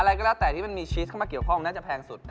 อะไรก็แล้วแต่ที่มันมีชีสเข้ามาเกี่ยวข้องน่าจะแพงสุด